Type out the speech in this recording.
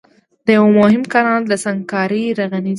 د يوه مهم کانال د سنګکارۍ رغنيزي